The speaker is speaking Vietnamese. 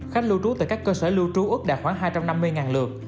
khách lưu trú tại các cơ sở lưu trú ước đạt khoảng hai trăm năm mươi lượt